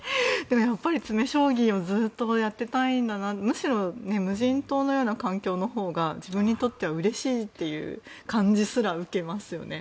やっぱり詰将棋をずっとやってたいんだなむしろ無人島のような環境のほうが自分にとってはうれしいという感じすら受けますよね。